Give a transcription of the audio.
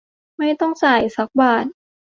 ไม่ต้องจ่ายสักบาท